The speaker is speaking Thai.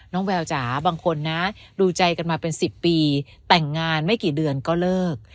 แววจ๋าบางคนนะดูใจกันมาเป็น๑๐ปีแต่งงานไม่กี่เดือนก็เลิก